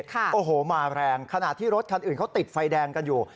โอ้โหมาแรงขณะที่รถคันอื่นเขาติดไฟแดงกันอยู่